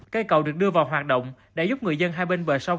cây cầu được đưa vào hoạt động đã giúp người dân hai bên bờ sông